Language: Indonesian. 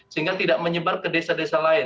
sehingga tidak menyebar ke desa desa lain